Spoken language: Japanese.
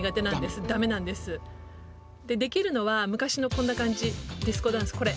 「できるのは昔のこんな感じディスコダンスこれ」。